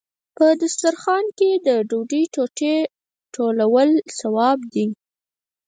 په دسترخان کې د ډوډۍ ټوټې ټولول ثواب دی.